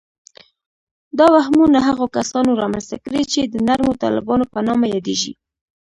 دا وهمونه هغو کسانو رامنځته کړي چې د نرمو طالبانو په نامه یادیږي